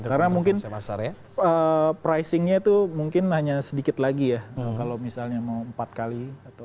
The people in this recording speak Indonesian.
karena mungkin pricingnya itu mungkin hanya sedikit lagi ya kalau misalnya mau empat kali